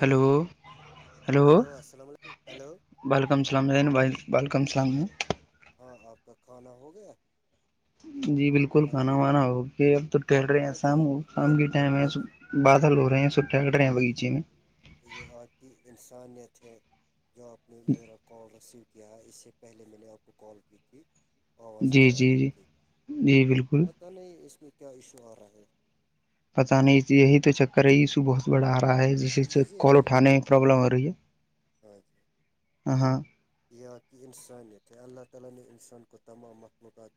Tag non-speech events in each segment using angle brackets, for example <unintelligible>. Hello hello السلام علیکم hello وعلیکم السلام و وعلیکم السلام ہاں آپ کا کھانا ہو گیا جی بالکل کھانا وانا ہوگ اب تو ٹہر رہے ہیں آج شام کو شام اب کی ٹائم ہے اب بادل ہو رہے ہیں سٹا کٹ رہے ہیں بغیچے میں یہ آپ کی انسانیت ہے جو آپ نے میرا کال رسیو کیا اس سے پہلے میں نے آپ کو کال کی تھی آواز جی نہیں آ جی رہی جی تھی جی بالکل پتہ نہیں اس میں کیا ایشو آ رہا ہے پت نہیں یہی تو چکر ہے ایشو بہت بڑا آ رہا ہے جس یہ کال کہ اٹھانے میں پرابلم ہو رہی ہے ہاں جی ہ ہاں <unintelligible>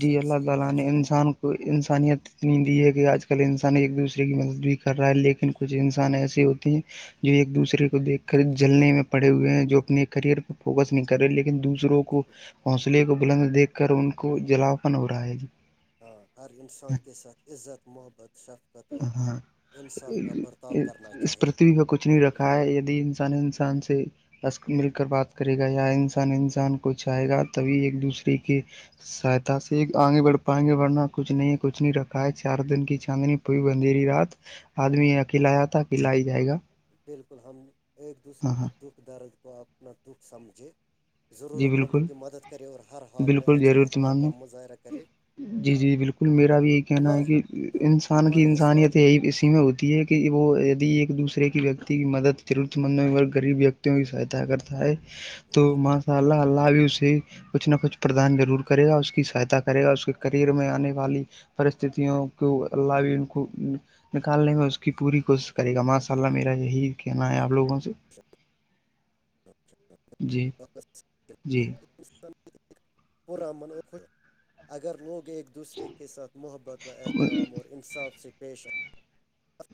جی سب اللہ سے تعالی نے افضل اور انسان کو انسانیت اتنی دی ہے کہ آج کل انسان ایک دوسرے کی مدد بھی کر رہا ہے لیکن کچھ انسان ایسے ہو ہیں جو ایک دوسرے کو دیکھ کر جلنے میں پڑے ہوئے ہیں جو اپنے کرئر کو فوکس نہیں کر رہے لیکن دوسروں کو بالکل حوصلے کو بلند دیکھ کر ان کو جلاپن ہو رہا ہے ج ہاں ہر انسان کے ساتھ عزت محبت شفقت اور ہاں انصاف کا برتاؤ کرنا اس چاہے پرتھوی کا کچھ نہیں رکھا ہے انسان انسان سے مل کر بات کرے گا یا انسان انسان کو چاہے گا تبھی ایک دوسرے کے سہایتا سے آگے بڑھ پا آگے بڑھنا کچھ نہیں ہے کچھ نہیں رکھا ہے چار دن کی چاندنی پئی بنددھیری رات ہاں آدمی اکیلا آیا تھا اکیلا ہی جائے گا بالکل ہم ایک دوسرے ہاں کے ہاں دکھ درد کو اپنا دکھ سمجھے جی ضرورت مندوں بالکل کہ مدد کرے اور ہر حال میں بالکل اچھے ضرور اخلاقہ تمان مظاہرہ کرے جی ہاں جی بالکل میرا بھی یہی کہنا ہمارا ہے کہ ہاں انسان کی ہمارا اسلام انسانیت یہی اسی میں ہوتی ہے کہ وہ یدی ایک دوسرے کی ویکتی کی مدد ضرورت مندوں غریب ویکتیوں کی سہایتا کرتا ہے تو بالکل مشاء اللہ اللہ آ سے کچھ نہ کچھ پردان ضرور کرے گا اس کی سہاتا کرے گا اس کے کرئر میں آنے والی پستوں کی اللہ نکالنے میں اس کی پوری کوشش کرے گا ماشاء اللہ میرا یہی کہنا ہے آپ لوگوں سے جی چ جی پورا منو خوش اگر لوگ ایک دوسرے کے ساتھ محبت و احترام اور انصاف سے پیش آ اس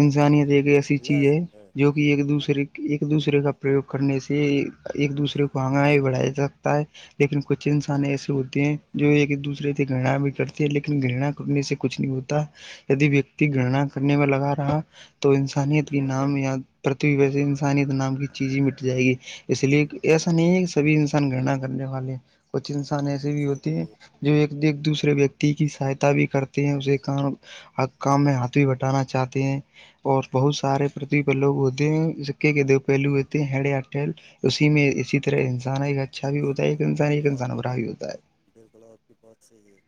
انسانیت ایک ایسی چیز ہے لہذا جو کہ کہ ایک دوسرے ایک دوسرے کا پرریوگ کرنے سے ایک دوسرے کو آگ بڑھایاات ت لیکن کچھ انسان ایسے ہوتے ہیں جو ایک دوسرے سے گناا بھی کرتے ہیں لیکن گنا کرنے سے کچھ نہیں ہوتا دی ویکتی گرنا کرنے میں لگا رہا تو انسانیت کی نام یا پرتھوی ویسے انسانیت نام کی چیز ہی مٹ جائے گی اس لیے ایسا نہیں ہے کہ سبھی انسان گنا کرنے والے کچھ انسان ایسے بھی بالکل ہوتے ہے جو ایک ایک دوسرے ویکتی کی سہاتا بھی کرتے ہیں اسے کام کام میں ہاتھ بھی بٹ ٹانا چاہتے ہیں اور بہت سارے پرتی لو ہوتے ہیں سکے کے دو پہلو ہوتے ہیں ہڈٹل اسی میں اسی طرح انسان ایک گ بالکل بالکل بالکل اوکے ب ہے بالکل آپ کی بات صحیح ہے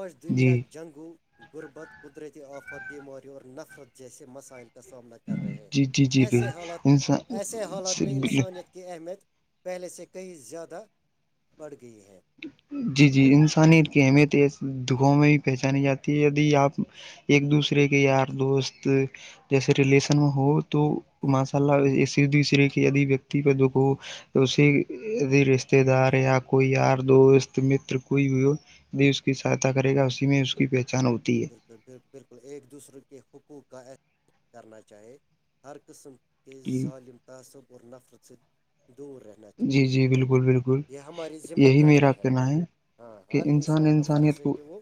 آج جی دنیا جنگوں غربت قدرتی آفت بیماری اور نفرت جیسے مسائل کا سامنا کر رہے ہیں جی جی جی ایسے حالت بھائی ایسے حالات میں انسان انسانیت کی اہمیت پہلے سے کہئی زیادہ بڑھ گئی ہے جی جی ہاں انسانیت کی اہمیت دکھوں میں بھی پہچانی جاتی ہے دی آپ ایک دوسرے کے یار دوست جیسے ریلیشن میں ہو تو ہوں ماشاء اللہ دوسرے کے دی ویکتی پ دکھ اسے رشتے رشتے دار ہوں یا کوئی دوست متر کوئی بھی ہو یہ اس کی سہایتا کرے گا اسی میں اس کی پہچان ہوتی ہے بالکل بالکل ایک دوسرے کے حقوق کا اا کرنا چاہے ہر قسم کہ جی ظالم تعصب اور نفرت ست دور جی چاہیے جی پھر بالکل بالکل یہ ہماری ذمہ یہی داریاں میرا ہیں کہنا ہے ہاں کہ ہر انسان کا فرض انسانیت ہے کو کہ وہ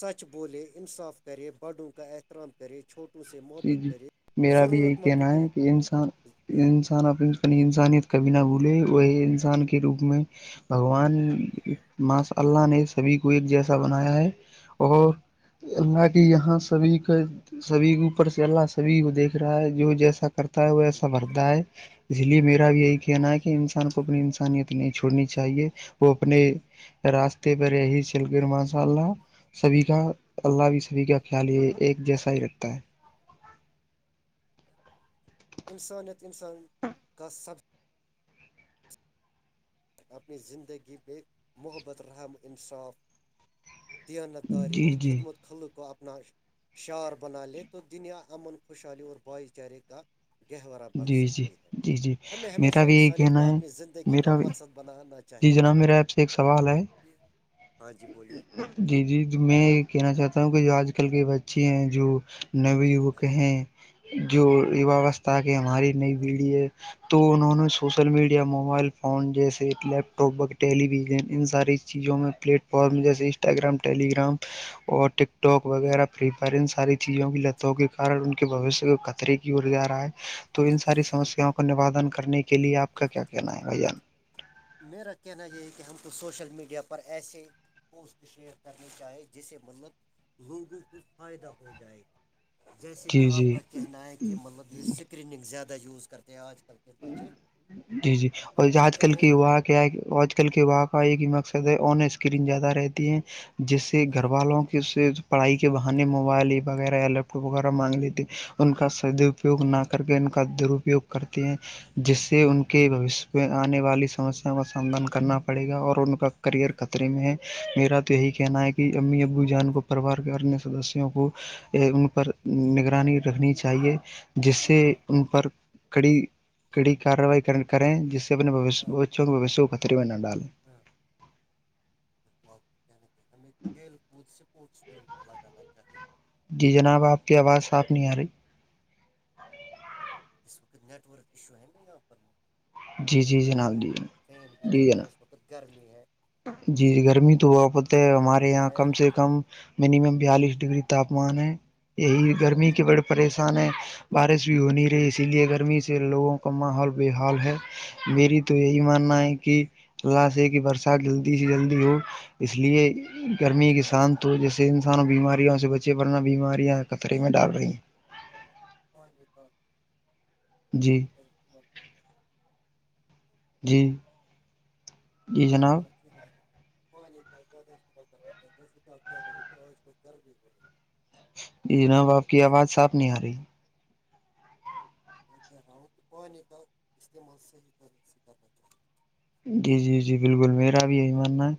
سچ بولے انصاف کرے بڑوں کا احترام کرے چھوٹو سے جی محبت جی کرے میرا بھی یہی ضرورت کہنا مندم ہے کہ انسان انسان اپ اپ انسانیت کبھی نہ بھولے وہی انسان کے روپ میں بھگوان ماںس اللہ نے سبھی کو ایک جیسا بنایا ہے اور اللہ کی یہاں سبھی کا سبھی کو اوپر سے اللہ سبھی کو دیکھ رہا ہے جو جیسا کرتا ہے وہ ایسا بھرتا ہے اس لیے میرا بھی یہی کہنا ہے کہ انسان کو اپنی بالکل انسانیت نہیں چھوڑنی چاہیے وہ اپنے راستے پر یہی چل ماشاء اللہ سبھی کا اللہ بھی سبھی کا خیال یہ ایک جیسا ہی رکھتا ہے انسانیت انسان کا سب اپنی زندگی بے محبت رحم انصاف دیانت داری جی اور جی خدمت خل کو اپنا شعار بنا لے تو دنیا امن خوشحالی اور بھائی چارے کا گہورا بن جی جی سکتی ہے جی جی ہمیں ہمیشہ میرا بھی یہی انسانیت کو کہنا ہے اپنی زندگی کا میرا بھی مق بنانا جی چاہیں جناب میرا آپ سے ایک سوال ہے ہاں جی بولیے جی جی میں یہ کہنا چاہتا ہوں کہ جو آج کل کے بچے ہیں جو ہاں یوک ہیں جو یواوستا کے ہماری نئی پیڑھی ہے تو انہوں نے سوشل میڈیا موبائل فون جیسے لیپ ٹاپ ٹیلی ویژن ان ساری چیزوں میں پلیٹ فارم جیسے انسٹاگرام ٹیلی گگرام اور ٹ ٹوگ وغیرہ پریفر ان ساری چیزوں کی لتوں کے کارن ان کے بوشیہ کو کطرے کیور جا رہا ہے تو ان ساری بالکل سمسیاں کو نوادن کرنے کے لیے آپ کا کیا کہنا ہے بھ جان میرا کہنا یہ ہے کہ ہم کو سوشل میڈیا پر ایسے پوسٹ شیئر کرنی چاہیں جسے منت لوگوں کو فائدہ ہو جائے جیسے کہ جی آپ جی کا کہنا ہے کہ مطلب یہ اسکریننگ زیادہ یوز کرتے ہیں آج کل کے بچے جی جی اور ہم کو آج کل چاہے کی وہاں کیا آج کل کے واقع ایک ہی مقصد ہے آن اسکرین زیادہ رہتی ہے جس سے ہاں گھر والوں کے سے پڑھائی کے بہانے موبائل وغیرہ یا لیپٹاپ وغیرہ مانگ لیتے ان کا س اپیوگ نہ کر کے ان کا درپیوگ کرتے ہیں جس سے ان کے بوشیہ میں آنے والی سمسیاؤں کا سمادھان کرنا پڑے گا اور ان کا کریئر ہاں خطرے میں ہے میرا تو یہی بالکل کہنا ہے کہ امی ابو جان کو پرریوار کے انیہ سدسیوں کو ان پر نگرانی رکھنی چاہیے جس سے بالکل ان پر کڑی کڑی کاروائی کریں جس سے اپنے ہاں بچوں کے بشیہ کو پتری میں نہ ڈالیں ہاں آپ کیا کہ ہمیں کھیل کود سے اسپٹس میں بلا جانا چاہیے جی جناب آپ کی آواز صاف نہیں آ رہی اس وقت نیٹورک ایشو ہے نا یہاں پر جی فین جی چل جناب رہا ہے جی جناب فین بھی چل جی رہا ہے جناب بہت گرمی ہے جی گرمی تو بہت ہے ہاں ہمارے یہاں کم فین سے کم منیمم بیالیس ڈگری تاپمان ہے یہی گرمی کے بڑے پریشان ہیں بارش بھی ہو رہی اسی لیے گرمی سے لوگوں کا ماحول بےحال ہے میری تو یہی ماننا ہے کہ اللہ سے کی برسات جلدی سے جلدی ہو اس لیے گرمی کے شان تو جیسے انسان بیماریوں سے بچے ورنہ بیماریاں خطرے میں ڈال رہی ہیں ہاں نہیں تو جی کر رہا ہے۔ جی جی ٹھیک جناب ٹھیک پانی کا زیادہ استعمال کرنا چاہیے جیسے کہ آپ کیا لے کہ اور اس کو گرم ہی ہو رہی ہے یہ جناب آپ کی اسی آواز لیے صاف نہیں آ رہی میں کہہ رہا ہوں کہ پانی کا استعمال صحی طریقے سے کرنا چاہے جی جی جی بالکل میرا بھی یہی ماننا ہے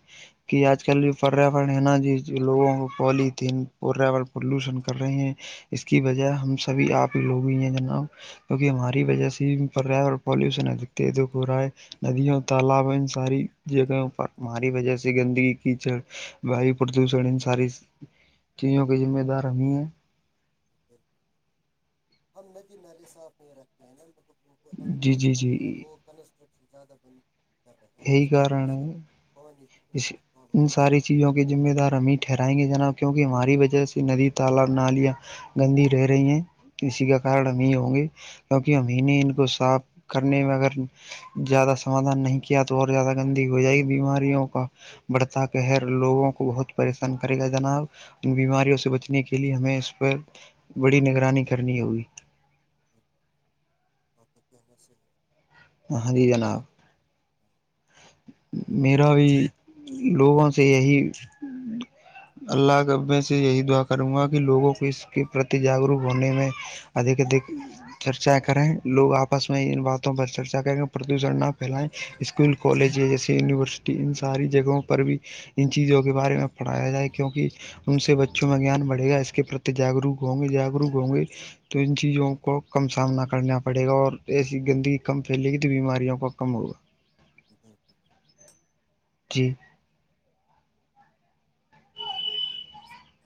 کہ آج کل جو پریاورن ہے نا جی لوگوں کو پال تھین پریاورن پلوشن کر رہے ہیں اس کی وجہ ہم سبھی آپ ہی لوگی ہیں جناب کیونکہ ہماری وجہ سے پریاورن اور پالوشن دکھ ہو رہا ہے ندیاں تالاب ان ساری چیزوں پر ہماری وجہ سے گندگی کیچڑ وایو پردوشن ان ساری چیزوں کے ذمہ دارمی ہیں ہم نے بھیی نالے صاف نہیں رکھتے ہیں نا جی انکروچ جی کر رہے جی ہیں لوگ کنسٹرکشن زیادہ بند کر رہے ہیں یہی جس کی وجہ کارن سے ہے ہاں جی ان ساری چیز چیزوں کے ذمہ دار ہم ہی ٹہرائیں گے جناب کیوں کہ ہماری وجہ سے ندی تالاب نالیاں گندی رہ رہی ہیں اسی کا کارن ہے ہم یہ ہوں گے کیونکہ ہم ہی ان کو صاف کرنے میں اگر زیادہ سمادھان نہیں کیا تو اور زیادہ گندی ہو جائے گی بیماریوں بڑتا کے لوگوں کو بہت پریشان کرے گا جناب ان بیماریوں سے بچنے کے لیے ہمیں اس پر بڑی نگرانی کرنی ہوگئی بات تو کہنا صحی ہے ہاں جی جناب ہے میرا بہت بھی لوگوں سے یہی اللہ سے یہی دعا کروں گا کہ لوگوں کو اس کے پرتی جاگروک ہونے میں ادھیک دیھکے چرچا کریں لوگ آپس میں ان باتوں پر چرچا کریں پردوشن نہ پھیلائیں اسکول کالج جیسے یونیورسٹی ان ساری جگہوں پر بھی ان چیزوں کے بارے میں پڑھایا جائے کیونکہ ان سے بچوں میں گیان بڑھے گا اس کے پرتی جاگروک ہوں گے جاگروک ہوں گے تو ان چیزوں کو کم سامنا کرنا پڑے گا اور ایسی گندی کم پھیلے گی تو بیماریاں کم ہوگا <inaudible> جی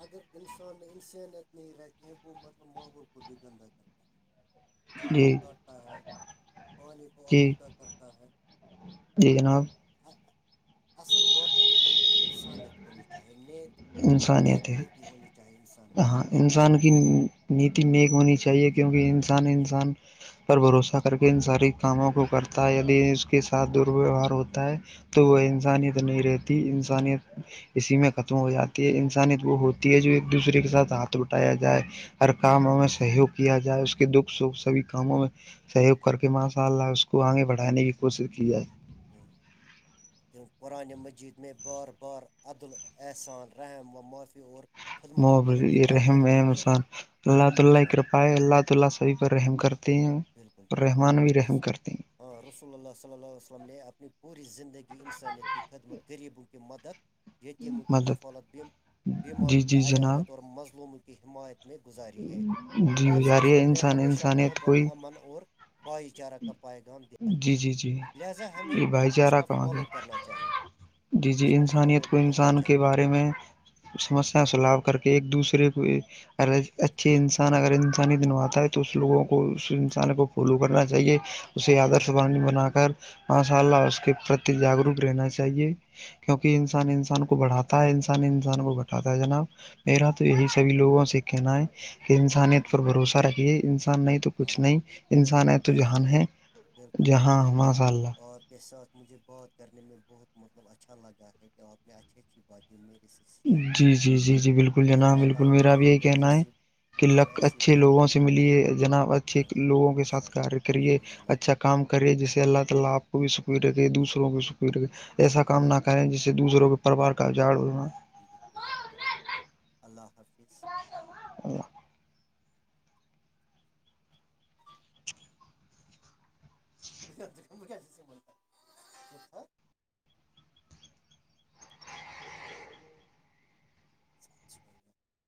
اگر انسان نے انسانیت نہیں رکھ وہ مطلب ماحول کو بھی گندہ کرتا ہے جی جنگل کاٹتا ہے پانی کو جی آلودہ کرتا ہے جی جناب اصل انسانیت ہونی چاہے نیک انسانیت ہے نیک ہونی چاہیے انسان نے <inaudible> ہاں انسان کی نیکی نیک ہونی چاہیے میں کیونکہ انسان چاہیے انسان پر بھروسہ کر کے ان ساری کاموں کو ہاں کرتا ہے یدی اس کے ساتھ دور ویوہار ہوتا ہے تو وہ ہاں انسانیت نہیں رہتی انسانیت اسی میں ختم خم ہو جاتی ہے انسانیت وہ ہوتی ہے جو ایک دوسرے کے ساتھ ہاتھ لٹایا جائے ہر کاموں میں ہاں سہیوگ کیا جائے اس کے دکھ سبھی کاموں میں سہیوگ کر کے ماشاء اللہ اس کو آگے بڑھانے کی کوشش کی جائے ہوں <inaudible> قرآن مجید میں بار بار عدال احسان رحم و معافی اور م خدمتی خلق کی رحم تلقین کی رحم گئی سان ہے ہاں بالکل بالکل رس <inaudible> <inaudible> ہاں رسول اللہ صلی ال عیہ وسلم نے اپنی پوری زندگی انسانیت کی خدمت غریبوں کی مدد یتیموں کی مدد کفالت جی بیماروں کی جی جناب عیادت اور مظلوموں کی حمایت میں گزاری ہے جی آپ ص اللہ جا رہی ہے وسلم نے انسان ہمیشہ انسانیت محبت کوئی جی جی جی یہ بھائی چارہ کہاں گیا <unintelligible> کرنا چاہے جی جی انسانیت کو انسان کے چاہیے بارے میں سمسیا سلاو کر کے ایک دوسرے کو <inaudible> اچھے انسان اگر انسانی دنواتا ہے تو اس لوگوں کو اس انسان کو فالو کرنا چاہیے اسے آدرش وانی بنا کر ماشاء اللہ اس کے پرتی جاگروک رہنا چاہیے کیونکہ انسان انسان کو بڑھاتا ہے انسان انسان کو بٹھاتا ہے جناب میرا تو یہی سبھی لوگوں سے کہنا ہے کہ انسانیت پر بالکل، بھروسہ رکھیے انسان نہیں تو کچھ نہیں انسان ہے تو ہاں جہان ہے بالکل جہاں بالکل ماشاء اللہ آپ کے ساتھ مجھے بات کرنے میں بہت مطلب اچھا لگا ہے کہ آپ نے اچھی اچھی بات میرے سے شیئر جی کیے جی جی جی بالکل میں جناب چاہتا بالکل ہوں کہ میرا میں بھی یہی میں کہنا ہے ایسے <inaudible> کہ لک اچھے لوگوں سے ملیے جناب اچھے ہاں لوگوں ان کے شاء ساتھ اللہ کیہ کریے الحمد للہ اچھا <inaudible> ایسا کام نہ بالکل کریں جس سے دوسروں کے پرریوار کا جاڑ ہونا بالکل بالکل اللہ حافظ ا <inaudible> م سے بولتا <inaudible> سچھا <inaudible>